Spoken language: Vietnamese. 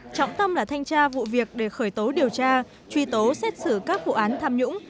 trọng tâm là thanh tra vụ việc để khởi tố điều tra truy tố xét xử các vụ án tham nhũng